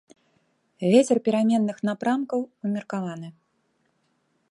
Вецер пераменных напрамкаў умеркаваны.